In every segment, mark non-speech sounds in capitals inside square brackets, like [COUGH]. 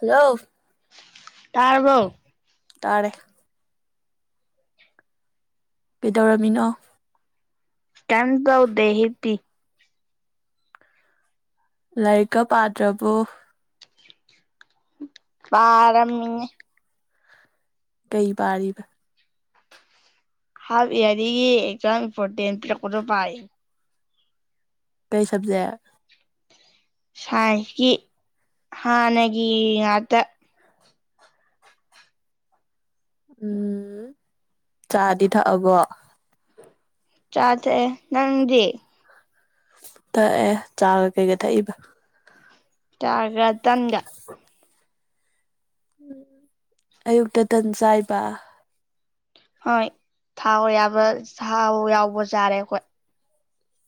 hello ꯇꯥꯔꯕꯣ ꯇꯥꯔꯦ ꯀꯩꯗꯧꯔꯝꯃꯤꯅꯣ ꯀꯦꯝ ꯇꯧꯗꯦ ꯍꯤꯞꯄꯤ ꯂꯥꯏꯔꯤꯛꯀ ꯄꯥꯗ꯭ꯔꯕꯨ ꯄꯥꯔꯝꯃꯤꯅꯦ ꯀꯩ ꯄꯥꯔꯤꯕ ꯍꯥꯐ ꯏꯌꯥꯔꯤꯒꯤ ꯑꯦꯛꯖꯥꯝ ꯏꯝꯄꯣꯔꯇꯦꯟ ꯄꯤꯔꯛꯄꯗꯣ ꯄꯥꯏ ꯀꯩ ꯁꯕꯖꯦꯛ ꯁꯥꯏꯟꯁꯀꯤ ꯍꯥꯟꯅꯒꯤ ꯉꯥꯛꯇ ꯎꯝ ꯆꯥꯗꯤ ꯊꯛꯑꯕꯣ ꯆꯥ ꯊꯛꯑꯦ ꯅꯪꯗꯤ ꯊꯛꯑꯦ ꯆꯥꯒ ꯀꯩꯒ ꯊꯛꯏꯕ ꯆꯥꯒ ꯇꯟꯒ ꯑꯌꯨꯛꯇ ꯇꯟ ꯆꯥꯏꯕ ꯍꯣꯏ ꯊꯥꯎ ꯌꯥꯕ ꯊꯥꯎ ꯌꯥꯎꯕ ꯆꯔꯦ ꯑꯩꯈꯣꯏ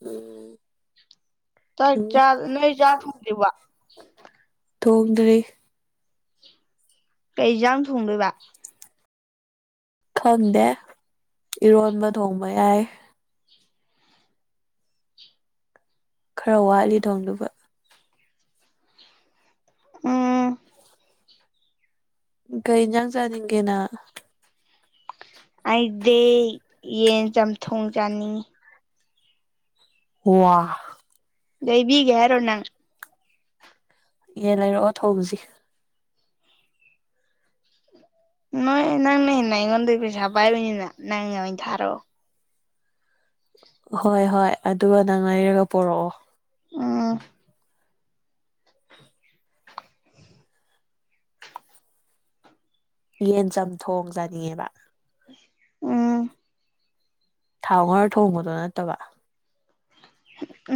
ꯎꯝ ꯅꯣꯏ ꯆꯥꯛ ꯊꯣꯡꯗꯔ꯭ꯤꯕꯣ ꯊꯣꯡꯗ꯭ꯔꯤ ꯀꯩꯖꯥꯡ ꯊꯣꯡꯗꯣꯏꯕ ꯈꯪꯗꯦ ꯏꯔꯣꯟꯕ ꯊꯣꯡꯕ ꯌꯥꯏ ꯈꯔ ꯋꯥꯠꯂꯤ ꯊꯣꯡꯗꯨꯕ ꯎꯝ ꯀꯩ ꯏꯟꯖꯥꯡ ꯆꯥꯅꯤꯡꯒꯦ ꯅꯪ ꯑꯩꯗꯤ ꯌꯦꯟ ꯆꯝꯊꯣꯡ ꯆꯥꯅꯤꯡꯉꯤ ꯋꯥ ꯂꯩꯕꯤꯒꯦ ꯍꯥꯏꯔꯣ ꯅꯪ ꯌꯦꯟ ꯂꯩꯔꯛ ꯑꯣ ꯊꯣꯡꯖꯤ ꯅꯣꯏ ꯅꯪꯅ ꯍꯦꯟꯅ ꯑꯩꯉꯣꯟꯗꯩꯩ ꯄꯩꯁꯥ ꯄꯥꯏꯕꯅꯤꯅ ꯅꯪꯅ ꯑꯣꯏ ꯊꯥꯔꯛꯑꯣ ꯍꯣꯏ ꯍꯣꯏ ꯑꯗꯨꯒ ꯅꯪ ꯂꯩꯔꯒ ꯄꯨꯔꯛꯑꯣ ꯎꯝ ꯌꯦꯟ ꯆꯝꯊꯣꯡ ꯆꯅꯤꯡꯉꯦꯕ ꯎꯝ ꯊꯥꯎ ꯉꯔꯒ ꯊꯣꯡꯕꯗꯣ ꯅꯠꯇꯕ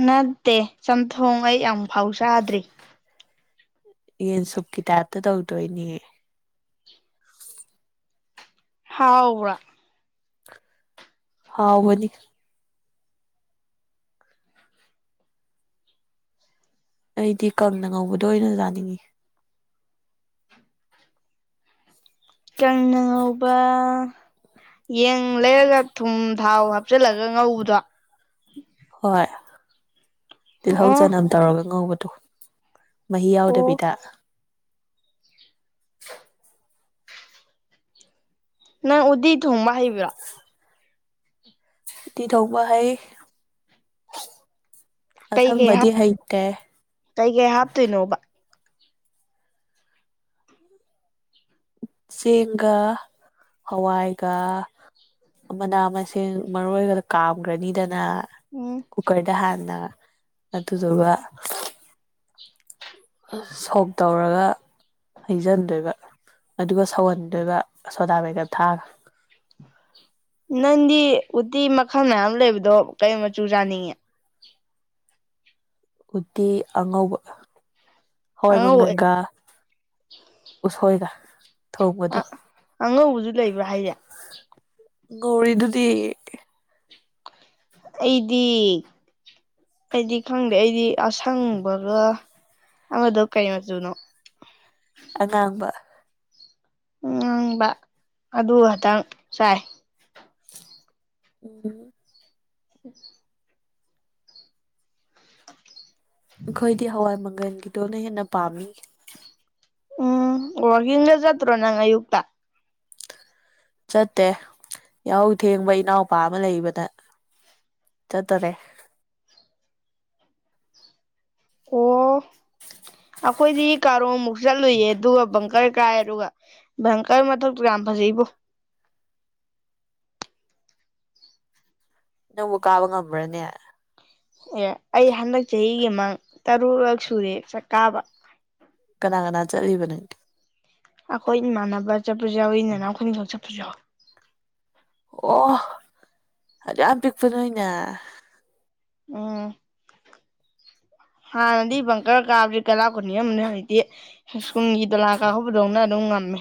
ꯅꯠꯇꯦ ꯆꯝꯊꯣꯡ ꯑꯩ ꯑꯃꯨꯛꯐꯥꯎ ꯆꯥꯗ꯭ꯔꯤ ꯌꯦꯟ ꯁꯨꯞꯀꯤ ꯇꯥꯏꯞꯇ ꯇꯧꯗꯣꯏꯅꯦ ꯍꯥꯎꯕꯔꯥ ꯍꯥꯎꯕꯅꯤ ꯑꯩꯗꯤ ꯀꯪꯅ ꯉꯧꯕꯗꯣ ꯑꯣꯏꯅ ꯆꯥꯅꯤꯡꯏ ꯀꯪꯅ ꯉꯧꯕꯥ ꯌꯦꯟ ꯂꯩꯔꯒ ꯊꯨꯝ ꯊꯥꯎ ꯍꯥꯞꯆꯤꯜꯂꯒ ꯉꯧꯕꯗꯣ ꯍꯣꯏ ꯇꯤꯜꯍꯧ ꯑꯣ ꯆꯅꯝ ꯇꯧꯔꯒ ꯉꯧꯕꯗꯣ ꯃꯍꯤ ꯑꯣ ꯌꯥꯎꯗꯕꯤꯗ ꯅꯪ ꯎꯗꯤ ꯊꯣꯡꯕ ꯍꯩꯕ꯭ꯔꯣ ꯎꯇꯤ ꯊꯣꯛꯕ ꯍꯩ ꯀꯩꯀꯩ ꯑꯁꯪꯕꯗꯤ ꯍꯥꯞ ꯍꯩꯇꯦ ꯀꯩꯀꯩ ꯍꯥꯞꯇꯣꯏꯅꯣꯕ ꯆꯦꯡꯒ ꯍꯋꯥꯏꯒ ꯃꯅꯥ ꯃꯁꯤꯡ ꯃꯔꯣꯏꯒꯗ ꯀꯥꯝꯈ꯭ꯔꯅꯤꯗꯅ ꯎꯝ ꯀꯨꯀꯔꯗ ꯍꯥꯟꯅ ꯑꯗꯨꯗꯨꯒ ꯑꯁ ꯁꯣꯛ ꯇꯧꯔꯒ ꯍꯩꯖꯟꯗꯣꯏꯕ ꯑꯗꯨꯒ ꯁꯧꯍꯟꯗꯣꯏꯕ ꯁꯣꯗꯥꯕꯩꯒꯞ ꯊꯥꯛꯑꯒ ꯅꯪꯗꯤ ꯎꯇꯤ ꯃꯈꯜ ꯃꯌꯥꯝ ꯂꯩꯕꯗꯣ ꯀꯩ ꯃꯆꯨ ꯆꯥꯅꯤꯡꯉꯦ ꯎꯇꯤ ꯑꯉꯧꯕ ꯑꯉꯧꯕ ꯍꯋꯥꯏꯃꯪꯒꯟꯒ ꯎꯁꯣꯏꯒ ꯑ ꯊꯣꯡꯕꯗꯣ ꯑꯉꯧꯕꯁꯨ ꯂꯩꯕ꯭ꯔꯥ ꯍꯥꯏꯖꯦ ꯒꯣꯔꯤꯗꯨꯗꯤ ꯑꯩꯗꯤ ꯑꯩꯗꯤ ꯈꯪꯗꯦ ꯑꯩꯗꯤ ꯑꯁꯪꯕꯒ ꯑꯃꯗꯣ ꯀꯔꯤ ꯃꯆꯨꯅꯣ ꯑꯉꯥꯡꯕ ꯉꯥꯡꯕ ꯑꯗꯨ ꯈꯇꯪ ꯆꯥꯏ ꯎꯝ ꯎ ꯑꯩꯈꯣꯏꯗꯤ ꯍꯋꯥꯏ ꯃꯪꯒꯜꯒꯤꯗꯣꯅ ꯍꯦꯟꯅ ꯄꯥꯝꯃꯤ ꯎꯝ ꯋꯥꯔꯀꯤꯡꯒ ꯆꯠꯇ꯭ꯔꯣ ꯅꯪ ꯑꯌꯨꯛꯇ ꯆꯠꯇꯦ ꯌꯥꯍꯧ ꯊꯦꯡꯕ ꯏꯅꯥꯎꯄꯥ ꯑꯃ ꯂꯩꯕꯗ ꯆꯠꯇꯔꯦ ꯑꯣ ꯑꯩꯈꯣꯏꯗꯤ ꯀꯔꯣ ꯃꯨꯛ ꯆꯠꯂꯨꯏꯌꯦ ꯑꯗꯨꯒ ꯕꯪꯀꯔ ꯀꯥꯏ ꯑꯗꯨꯒ ꯕꯪꯀꯔ ꯃꯊꯛꯇꯨ ꯌꯥꯝ ꯐꯖꯩꯕꯣ ꯅꯪꯕꯨ ꯀꯥꯕ ꯉꯝꯕ꯭ꯔꯅꯦ ꯑꯦ ꯑꯩ ꯍꯟꯗꯛ ꯆꯍꯤꯒꯤ ꯃꯥꯡ ꯇꯔꯨꯛꯔꯛ ꯁꯨꯔꯦ ꯆꯥꯛꯀꯥꯕ ꯀꯅꯥ ꯀꯅꯥ ꯆꯠꯂꯤꯕ ꯅꯪ ꯑꯩꯈꯣꯏ ꯏꯃꯥꯟꯅꯕ ꯆꯠꯄꯁꯨ ꯌꯥꯎꯏ ꯅꯥꯅꯥꯎ ꯑꯩꯈꯣꯏꯅꯤꯈꯛ ꯆꯠꯄꯁꯨ ꯌꯥꯎꯏ ꯑꯣ ꯑꯗꯨꯛꯌꯥꯝ ꯄꯤꯛꯄ ꯅꯣꯏꯅ ꯎꯝ ꯍꯅꯗꯤ ꯕꯩꯀꯔ ꯀꯥꯕꯖꯤ ꯀꯂꯥꯞꯀ ꯅꯤꯛꯑꯝꯕꯅꯤ ꯍꯧꯖꯤꯛ ꯇꯤ ꯁ꯭ꯀꯨꯜꯒꯤ ꯗꯣꯂꯥ ꯀꯥꯍꯧꯕꯗꯧꯅ ꯑꯗꯨꯝ ꯉꯝꯃꯦ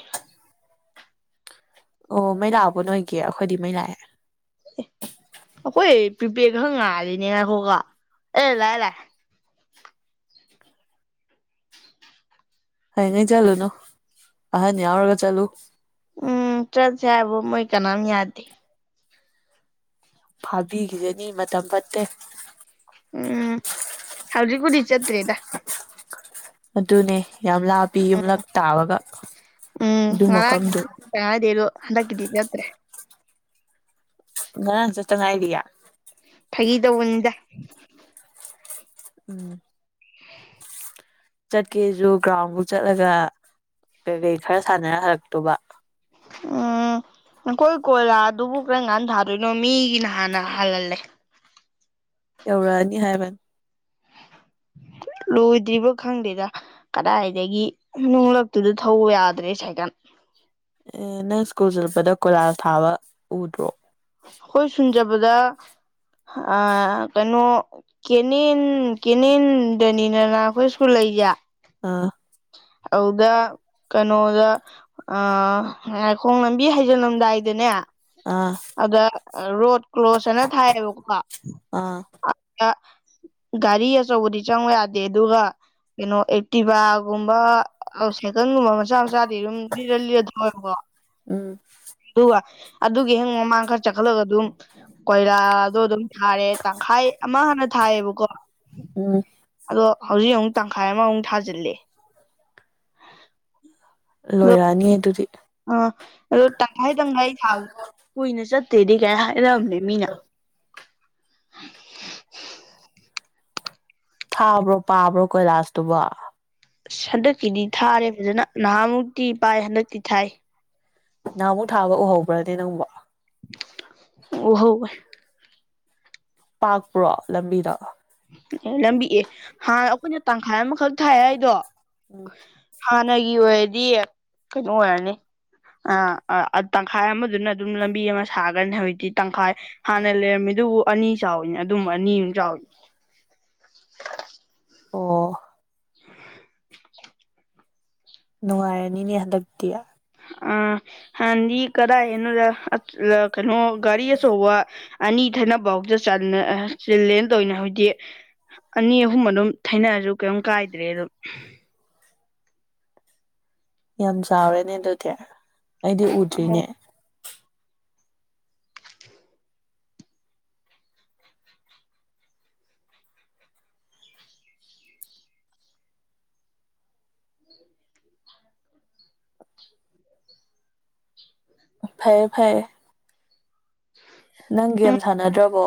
ꯑꯣ ꯃꯩ ꯂꯥꯛꯑꯕꯣ ꯅꯣꯏꯒꯤ ꯑꯩꯈꯣꯏꯗꯤ ꯃꯩ ꯂꯥꯛꯑꯦ ꯑꯩꯈꯣꯏ ꯄꯔꯤꯄꯦꯠ ꯈꯛ ꯉꯥꯜꯂꯤꯅꯦꯕꯀꯣ ꯑꯦ ꯂꯥꯛꯑꯦ ꯂꯥꯛꯑꯦ ꯍꯌꯦꯡꯒꯥꯩ ꯆꯠꯂꯨꯅꯨ ꯑꯍꯟ ꯌꯥꯎꯔꯒ ꯆꯠꯂꯨ ꯎꯝ ꯆꯠꯁꯦ ꯍꯥꯏꯕꯨ ꯃꯣꯏ ꯀꯅꯥꯝ ꯌꯥꯗꯦ ꯐꯥꯕꯤꯒꯤꯖꯅꯤ ꯃꯇꯝ ꯐꯠꯇꯦ ꯎꯝ ꯍꯧꯖꯤꯄꯨꯗꯤ ꯆꯠꯇ꯭ꯔꯦꯗ ꯑꯗꯨꯅꯦ ꯌꯥꯝ ꯂꯥꯞꯄꯤ ꯌꯨꯝꯂꯛ ꯇꯥꯕꯒ ꯑꯗꯨ ꯃꯐꯝꯗꯨ ꯀꯗꯦꯅꯣ ꯍꯟꯗꯀꯗꯦ ꯅ꯭ꯔꯦ ꯅ ꯆ ꯆꯉꯥꯏꯗꯌꯥ ꯐꯩꯗ ꯎꯟꯗ ꯎꯝ [UNINTELLIGIBLE] ꯆꯠꯀꯦꯁꯨ ꯒ꯭ꯔꯥꯎꯟꯐꯧ ꯆꯠꯂꯒ ꯀꯩ ꯀꯩ ꯈꯔ ꯁꯥꯟꯅꯔ ꯍꯜꯂꯛꯇꯣꯕ ꯎꯝ ꯀꯣꯏ ꯀꯣꯏꯂꯥ ꯑꯗꯨꯕꯨ ꯀꯔꯝ ꯀꯥꯟ ꯊꯥꯗꯣꯏꯅꯣ ꯃꯤꯒꯤꯅ ꯍꯥꯟꯅ ꯍꯜꯍꯜꯂꯦ ꯌꯧꯔꯛꯑꯅꯤ ꯍꯥꯏꯕꯅꯤ ꯂꯣꯏꯗ꯭ꯔꯤꯕ ꯈꯪꯗꯦꯗ ꯀꯗꯥꯏꯗꯒꯤ ꯅꯨꯡꯡꯂꯛꯇꯨꯗ ꯊꯧꯕ ꯌꯥꯗ꯭ꯔꯦ ꯁꯥꯏꯀꯥꯟ ꯑꯦ ꯅꯪ ꯁ꯭ꯀꯨꯜ ꯆꯠꯄꯗ ꯀꯣꯏꯂꯥꯁ ꯊꯥꯕ ꯎꯗ꯭ꯔꯣ ꯑꯩꯈꯣꯏ ꯁꯨꯟꯖꯕꯗ ꯑ ꯀꯩꯅꯣ ꯀꯦꯅꯦꯟ ꯀꯦꯅꯦꯟ ꯗꯅꯤꯅꯅ ꯑꯩꯈꯣꯏ ꯁ꯭ꯨ ꯂꯩꯒ ꯑꯥ ꯑꯗꯨꯗ ꯀꯩꯅꯣꯗ ꯑ ꯉꯏꯈꯣꯡ ꯂꯝꯕꯤ ꯍꯩꯖꯤꯜꯂꯝꯗꯥꯏꯗ ꯅꯦ ꯑꯥ ꯑꯗ ꯔꯣꯠ ꯀ꯭ꯂꯣꯁ ꯍꯥꯏꯅ ꯊꯥꯏꯌꯦꯕꯀꯀꯣ ꯑꯥ ꯒꯥꯔꯤ ꯑꯆꯧꯕꯗꯤ ꯆꯪ ꯌꯥꯗꯦ ꯑꯗꯨꯒ ꯀꯩꯅꯣ ꯑꯩꯠꯇꯤꯚ ꯒꯨꯝꯕ ꯁꯥꯏꯀꯜꯒꯨꯝꯕ ꯃꯆꯥ ꯃꯆꯥꯗꯤ ꯑꯗꯨꯝ ꯂꯤꯔ ꯂꯤꯔ ꯊꯣꯛꯋꯦꯕꯀꯣ ꯎꯝ ꯑꯗꯨꯒ ꯑꯗꯨꯒꯤ ꯍꯌꯦ ꯃꯃꯥꯡ ꯈꯔ ꯆꯠꯈꯠꯂꯒ ꯑꯗꯨꯝ ꯀꯣꯏꯂꯥꯗꯣ ꯑꯗꯨꯝ ꯊꯥꯔꯦ ꯇꯪꯈꯥꯏ ꯑꯃ ꯍꯥꯟꯅ ꯊꯥꯏꯌꯦꯕꯀꯣ ꯎꯝ ꯑꯗꯣ ꯍꯧꯖꯤꯛ ꯑꯃꯨꯛ ꯇꯪꯈꯥꯏ ꯑꯃꯃꯨꯛ ꯊꯥꯖꯤꯜꯂꯦ ꯑꯗꯣ ꯂꯣꯏꯔꯛꯑꯅꯤ ꯑꯗꯨꯗꯤ ꯑ ꯑꯗꯣ ꯇ ꯍꯗꯪꯒꯒꯥꯔꯤ ꯊꯕꯗ ꯀꯨꯏꯅ ꯆꯠꯇꯦꯗꯤ ꯀꯥꯏ ꯍꯥꯏꯔꯑꯕꯅꯦ ꯃꯤꯅ ꯊꯥꯕ꯭ꯔꯣ ꯄꯥꯕ꯭ꯔꯣ ꯀꯣꯏꯂꯥꯁꯇꯨꯕ ꯑꯁ ꯍꯟꯗꯛꯀꯤꯗꯤ ꯊꯥꯔꯦ ꯐꯖꯅ ꯅꯍꯥꯃꯨꯛꯇꯤ ꯄꯥꯏ ꯍꯟꯗꯛꯇꯤ ꯊꯥꯏ ꯅꯍꯥꯃꯨꯛ ꯊꯥꯒ ꯎꯍꯧꯕ꯭ꯔꯅꯦ ꯅꯪꯕ ꯑꯣꯍꯣ ꯄꯥꯛꯄ꯭ꯔꯣ ꯂꯝꯕꯤꯗꯣ ꯑꯦ ꯂꯝꯕꯤꯑꯦ ꯍꯥꯏꯥꯟ ꯑꯩꯈꯣꯏꯅ ꯇꯪꯈꯥꯏ ꯑꯃꯈꯛ ꯊꯥꯏ ꯍꯥꯏꯗꯣ ꯍꯥꯟꯅꯒꯤ ꯑꯣꯏꯔꯗꯤ ꯀꯩꯅꯣ ꯑꯣꯏꯔꯅꯤ ꯑ ꯇꯪꯈꯥꯏ ꯑꯃꯗꯨꯅ ꯑꯗꯨꯝ ꯂꯝꯕꯤ ꯑꯃ ꯁꯥꯒꯅꯤ ꯍꯧꯖꯤꯛꯇꯤ ꯇꯪꯈꯥꯏ ꯍꯥꯟꯅ ꯂꯩꯔꯝꯃꯤ ꯑꯗꯨꯕꯨ ꯑꯅꯤ ꯆꯥꯎꯋꯤꯅꯦ ꯑꯗꯨꯝ ꯑꯅꯤꯃꯨ ꯆꯥꯎꯋꯏ ꯑꯣ [UNINTELLIGIBLE] ꯅꯉꯥꯏꯦꯅꯤꯅꯤꯍ ꯗꯌꯥ ꯑꯥ ꯍꯥꯟꯗꯤ ꯀꯗꯥꯏꯅꯣ ꯀꯩꯅꯣ ꯒꯥꯔꯤ ꯑꯆꯧꯕ ꯑꯅꯤ ꯊꯅꯕꯥꯎꯖ ꯆꯤꯜꯂꯦꯅ ꯇꯧꯅ ꯍꯧꯖꯤꯗꯤ ꯑꯅꯤ ꯑꯍꯨꯝ ꯑꯗꯨꯝ ꯊꯅꯔꯁꯨ ꯀꯩꯝ ꯀꯥꯏꯗ꯭ꯔꯦ ꯑꯗꯨꯝ ꯌꯥꯝ ꯆꯥꯎꯔꯦꯅꯦ ꯑꯗꯨꯗꯤ ꯑꯩꯗꯤ ꯎꯗ꯭ꯔꯤꯅꯦ ꯐꯌꯦ ꯐꯌꯦꯦ ꯅꯪ ꯎꯝ ꯒꯦꯝ ꯁꯥꯟꯅꯗ꯭ꯔꯕꯣ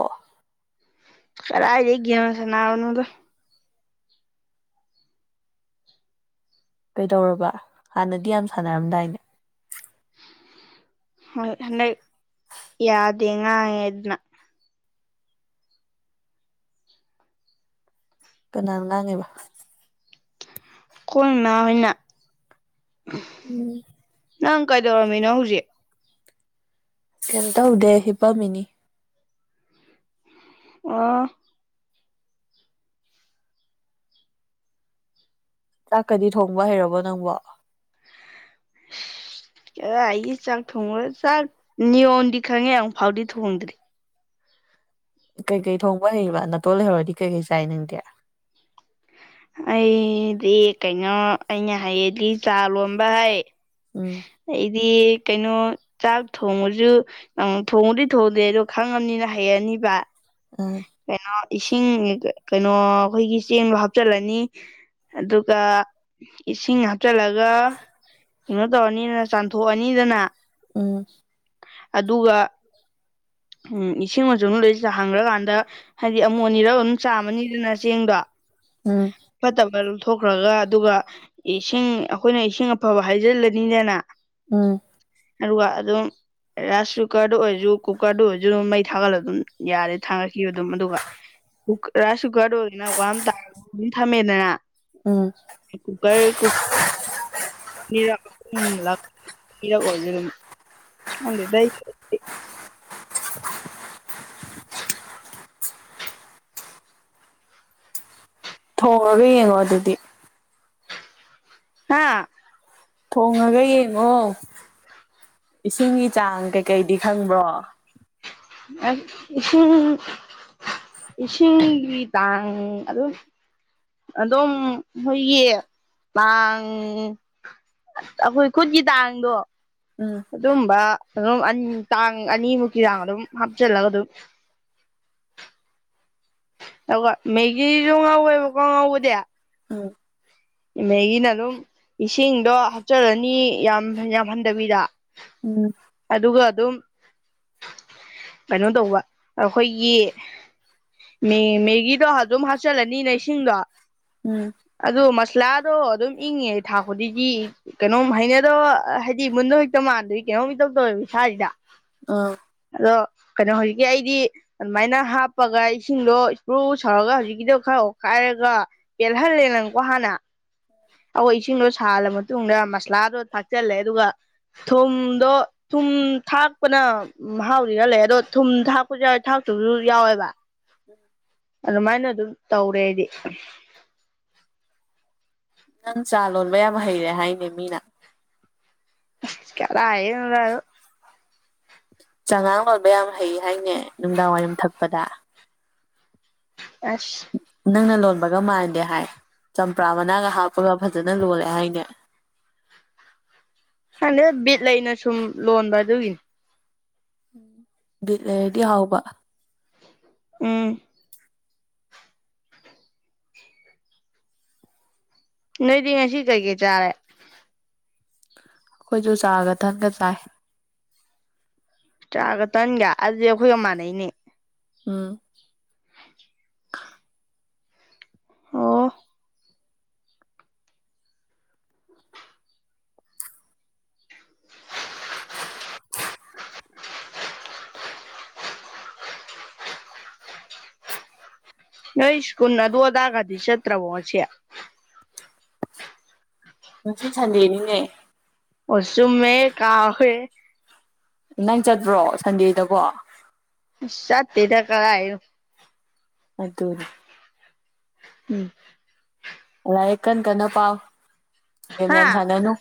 ꯈꯔ ꯍꯥꯏ ꯂꯩꯒꯦ ꯁꯅꯥꯎꯅꯗ ꯀꯩꯗꯧꯔꯕ ꯍꯥꯟꯅꯗꯤ ꯌꯥꯝ ꯁꯥꯟꯅꯔꯝꯗꯥꯏꯅꯦ ꯍ ꯌꯥꯗ ꯌꯦꯉ ꯌꯦꯗꯅ ꯀꯅꯥꯅ ꯉꯥꯡꯉꯦꯕ ꯈꯣꯡꯅ ꯑꯣꯏꯅ ꯎꯝ ꯅꯪ ꯀꯩꯗꯧꯔꯝꯃꯤꯅꯣ ꯍꯧꯖꯤꯛ ꯀꯦꯟꯇꯧ ꯎꯗꯦ ꯄꯝꯃꯤꯅꯤ ꯑꯣ ꯆꯥꯛꯀꯗꯤ ꯊꯣꯡꯕ ꯍꯩꯔꯕꯣ ꯅꯪꯕꯣ ꯑꯦ ꯑꯩꯒꯤ ꯆꯥꯛ ꯊꯣꯡꯉꯨꯔ ꯆꯥꯛ ꯅꯤꯌꯣꯝꯗꯤ ꯈꯪꯉꯦ ꯑꯃꯨꯛ ꯐꯥꯎꯗꯤ ꯊꯣꯡꯗ꯭ꯔꯤ ꯀꯩꯀꯩ ꯊꯣꯡꯕ ꯍꯩꯕ ꯅꯅꯥꯇꯣꯟꯜ ꯂꯩꯍꯧꯔꯗꯤ ꯀꯩꯀꯩ ꯆꯥꯏꯅꯤꯡꯗꯦ ꯑꯩꯗꯤ ꯀꯩꯅꯣ ꯑꯩꯅ ꯍꯥꯏꯌꯦꯗꯤ ꯆꯥ ꯂꯣꯟꯕ ꯍꯥꯏ ꯎꯝ ꯑꯩꯗꯤ ꯀꯩꯅꯣ ꯆꯥꯛ ꯊꯣꯡꯉꯁꯨ ꯑꯪ ꯊꯣꯡꯉꯨꯗꯗꯤ ꯊꯣꯡꯗꯦ ꯑꯗꯣ ꯈꯪꯉꯕꯅꯤꯅ ꯍꯩꯔꯅꯤꯕ ꯑꯥ ꯀꯩꯅꯣ ꯏꯁꯤꯡ ꯀꯩꯅꯣ ꯑꯩꯈꯣꯏꯒꯤ ꯆꯦꯡ ꯍꯥꯞ ꯆꯜꯂꯅꯤ ꯑꯗꯨꯒ ꯏꯁꯤꯡ ꯍꯥ ꯍꯥꯞꯆꯜꯂꯒ ꯀꯩꯅꯣ ꯇꯧꯔꯅꯤꯗꯅ ꯆꯥꯝꯊꯣꯛꯑꯅꯤꯗꯅ ꯎꯝ ꯑꯗꯨꯒ ꯎ ꯏꯁꯤꯡ ꯃꯆ ꯂꯩꯁꯤꯗ ꯍꯪꯈ꯭ꯔꯀꯥꯟꯗ ꯍꯥꯏꯗꯤ ꯑꯃꯣꯠꯅꯤꯔ ꯑꯗꯨꯝ ꯆꯥꯝꯃꯅꯤꯗꯅ ꯆꯦꯡꯗꯣ ꯎꯝ ꯐꯠꯇꯕ ꯂꯧꯊꯣꯛꯈ꯭ꯔꯒ ꯑꯗꯨꯒ ꯏꯁꯤꯡ ꯑꯩꯈꯣꯏꯅ ꯏꯁꯤꯡ ꯑꯐꯕ ꯍꯥꯏꯖꯤꯜꯂꯅꯤꯗꯅ ꯎꯝ ꯑꯗꯨꯒ ꯑꯗꯨꯝ ꯔꯥꯏꯁ ꯀꯨꯀꯔꯗ ꯑꯣꯏꯔꯁꯨ ꯀꯨꯀꯔꯗ ꯑꯣꯏꯔꯁꯨ ꯑꯗꯨꯝ ꯃꯩ ꯊꯥꯒꯠꯂ ꯑꯗꯨꯝ ꯌꯥꯔꯦ ꯊꯥꯡꯒꯠꯈꯤꯕ ꯑꯗꯨꯝ ꯑꯗꯨꯒ ꯔꯥꯏꯁ ꯀꯨꯀꯔꯗ ꯑꯣꯏꯗꯅ ꯋꯥ ꯑꯗꯨꯝ ꯊꯝꯃꯦꯗꯅ ꯎꯝ ꯀꯨꯀꯔ ꯀꯨꯛ ꯔꯛꯔꯛ ꯑꯣꯏ ꯑꯗꯨꯗ ꯊꯣꯡꯉꯒ ꯌꯦꯡꯉꯣ ꯑꯗꯨꯗꯤ ꯍꯥꯥ ꯊꯣꯡꯉꯒ ꯌꯦꯡꯉꯣ ꯏꯁꯤꯡꯒꯤ ꯆꯥꯡ ꯀꯩꯀꯩꯗꯤ ꯈꯪꯕ꯭ꯔꯣ ꯏꯁꯤꯡ ꯏꯁꯤꯡꯒꯤ ꯇꯥꯡ ꯑꯗꯨꯝ ꯑꯗꯨꯝ ꯑꯩꯈꯣꯏꯒꯤ ꯇꯥꯡ ꯑꯩꯈꯣꯏ ꯈꯨꯠꯀꯤ ꯇꯥꯡꯗꯣ ꯎꯝ ꯑꯗꯨꯝꯕ ꯑꯗꯨꯝ ꯇꯥꯡ ꯑꯅꯤꯃꯨꯛꯀꯤ ꯆꯥꯡ ꯑꯗꯨꯝ ꯍꯥꯞꯆꯤꯜꯂꯒ ꯑꯗꯨꯝ ꯑꯗꯨꯒ ꯃꯦꯒꯤꯖꯨ ꯉꯧꯋꯦꯕꯀꯣ ꯉꯧꯕꯗ ꯎꯝ ꯃꯦꯒꯤꯅ ꯑꯗꯨꯝ ꯏꯁꯤꯡꯗꯣ ꯍꯥꯞꯆꯜꯂꯅꯤ ꯌꯥꯝ ꯌꯥꯝ ꯍꯟꯗꯕꯤꯗ ꯎꯝ ꯑꯗꯨꯒ ꯑꯗꯨꯝ ꯀꯩꯅꯣ ꯇꯧꯕ ꯑꯩꯈꯣꯏꯒꯤ ꯃꯦꯒꯤꯗꯣ ꯑꯗꯨꯝ ꯍꯥꯞꯆꯤꯜꯂꯅꯤꯅꯦ ꯏꯁꯤꯡꯗꯣ ꯎꯝ ꯑꯗꯨ ꯃꯁꯂꯥꯗꯣ ꯑꯗꯨꯝ ꯏꯪꯉꯦ ꯊꯥ ꯈꯨꯗꯤꯡꯒꯤ ꯀꯩꯅꯣꯝ ꯍꯩꯅꯗꯕ ꯍꯥꯏꯗꯤ ꯃꯨꯟꯗ ꯍꯖꯤꯦꯛꯇ ꯃꯥꯟꯗꯒꯤ ꯀꯩꯅꯣꯝ ꯇꯧ ꯇꯧꯋꯦꯕ ꯏꯁꯥꯁꯤꯗ ꯑ ꯑꯗꯣ ꯀꯩꯅꯣ ꯍꯧꯖꯤꯛꯀꯤ ꯑꯩꯗꯤ ꯑꯗꯨꯃꯥꯏꯅ ꯍꯥꯞꯄꯒ ꯏꯁꯤꯡꯗꯣ ꯏꯁꯄ꯭ꯔꯨ ꯁꯧꯔꯒ ꯍꯧꯖꯤꯛꯀꯤꯗꯣ ꯈꯔ ꯑꯣꯈꯥꯏꯔꯒ ꯌꯦꯜꯍꯜꯦ ꯅꯪꯒꯣ ꯍꯥꯅ ꯑꯩꯈꯣꯏ ꯏꯁꯤꯡꯗꯣ ꯁꯥꯜꯂ ꯃꯇꯨꯡꯗ ꯃꯁꯂꯥꯗꯣ ꯊꯥꯛꯆꯜꯂꯦ ꯑꯗꯨꯒ ꯊꯨꯝꯗꯣ ꯊꯨꯝ ꯊꯥꯛꯄꯅ ꯎ ꯍꯥꯎꯗꯤꯔ ꯂꯩ ꯑꯗꯣ ꯊꯨꯝ ꯊꯥꯛꯄꯁꯨ ꯌꯥꯎꯋꯦ ꯊꯥꯛꯁꯨ ꯌꯥꯎꯋꯦꯕ ꯑꯗꯨꯃꯥꯏꯅ ꯑꯗꯨꯝ ꯇꯧꯔꯦ ꯑꯩꯗꯤ ꯅꯪ ꯆꯥ ꯂꯣꯟꯕ ꯌꯥꯝ ꯍꯩꯔꯦ ꯍꯥꯏꯅꯦ ꯃꯤꯅ ꯀꯗꯥꯏꯗꯩꯅ‌ꯣꯗ ꯗꯗ‌ꯣ ꯆꯉꯥꯡ ꯂꯣꯟꯕ ꯌꯥꯝ ꯍꯩ ꯍꯥꯏꯅꯦ ꯅꯨꯡꯗꯥꯡ ꯋꯥꯏꯔꯝ ꯊꯛꯄꯗ ꯑꯁ ꯅꯪꯅ ꯂꯣꯟꯕꯒ ꯃꯥꯟꯂꯦ ꯍꯥꯏ ꯆꯝꯄ꯭ꯔꯥ ꯃꯅꯥꯒ ꯍꯥꯞꯄꯒ ꯐꯖꯅ ꯂꯣꯜꯂꯦ ꯍꯥꯏꯅꯦ ꯍꯗ ꯕꯤꯠ ꯂꯩꯅ ꯁꯨꯝ ꯂꯣꯟꯕ ꯑꯗꯨꯒꯤꯅꯤ ꯕꯤꯠ ꯂꯩꯔꯗꯤ ꯍꯥꯎꯕ ꯎꯝ ꯅꯣꯏꯗꯤ ꯉꯁꯤ ꯀꯩ ꯀꯩ ꯆꯥꯔꯦ ꯑꯩꯈꯣꯏꯁꯨ ꯆꯥꯒ ꯇꯟꯒ ꯆꯥꯏ ꯆꯥꯒ ꯇꯟꯒ ꯑꯗꯨꯗꯤ ꯑꯩꯈꯣꯏꯒ ꯃꯥꯟꯅꯩꯅꯦ ꯎꯝ [UNINTELLIGIBLE] ꯑꯣ [INAUDIBLE] ꯅꯣꯏ ꯁ꯭ꯀꯨꯜ ꯑꯗꯨ ꯑꯗꯥꯒꯗꯤ ꯆꯠꯇ꯭ꯔꯕꯣ ꯉꯁꯤ ꯉꯁꯤ ꯁꯟꯗꯦꯅꯤꯅꯦ ꯑꯣ ꯆꯨꯝꯃꯦꯍꯦ ꯀꯥꯎꯋꯦꯍꯦ ꯅꯪ ꯆꯠꯄ꯭ꯔꯣ ꯁꯟꯗꯦꯗꯕꯣ ꯏꯁ ꯆꯠꯇꯦꯗꯥ ꯀꯗꯥꯏꯗꯩꯩꯅꯣ ꯑꯗꯨꯅꯤ ꯎꯝ ꯂꯥꯏꯔꯤꯛ ꯀꯟ ꯀꯟꯅꯥ ꯄꯥꯎ ꯒꯦꯝ ꯍꯥ ꯌꯥꯝ ꯁꯅꯥꯅꯨ